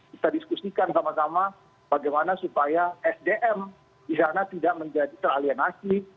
kita diskusikan sama sama bagaimana supaya sdm di sana tidak menjadi teralianasi